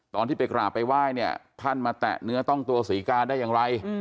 ตอนที่ไปกราบไปไหว้เนี่ยท่านมาแตะเนื้อต้องตัวศรีกาได้อย่างไร